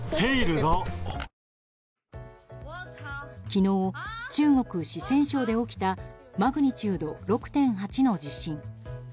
昨日、中国・四川省で起きたマグニチュード６．８の地震。